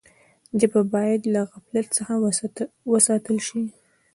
ژبه باید له غفلت څخه وساتل سي.